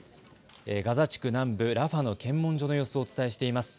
ガザ地区南部ラファの検問所の様子をお伝えしています。